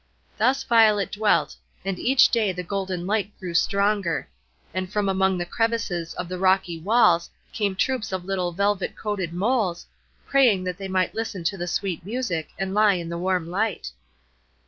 Thus Violet dwelt, and each day the golden light grew stronger; and from among the crevices of the rocky walls came troops of little velvet coated moles, praying that they might listen to the sweet music, and lie in the warm light.